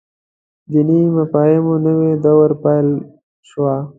د دیني مفاهیمو نوې دوره پيل شوه.